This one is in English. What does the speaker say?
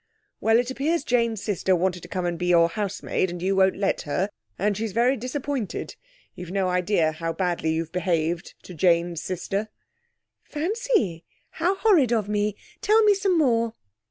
'Well, it appears Jane's sister wants to come and be your housemaid, and you won't let her, and she's very disappointed. You've no idea how badly you've behaved to Jane's sister.' 'Fancy! How horrid of me! Tell me some more.'